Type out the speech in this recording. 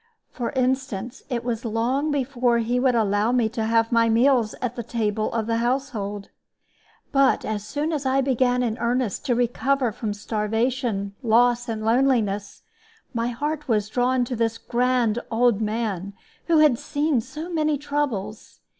For instance, it was long before he would allow me to have my meals at the table of the household. But as soon as I began in earnest to recover from starvation, loss, and loneliness, my heart was drawn to this grand old man, who had seen so many troubles.